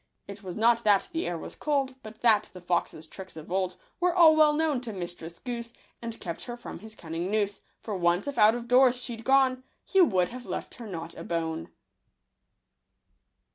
It Was not that the air was cold, But that the Fox's tricks of old Were all well known to Mistress Goose, And kept her from his cunning noose. For once if out of doors she'd gone, He would have left her not a bone.